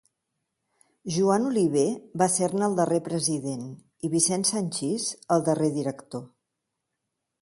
Joan Oliver va ser-ne el darrer president i Vicent Sanchis el darrer director.